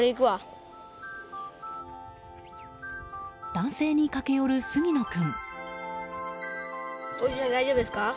男性に駆け寄る杉野君。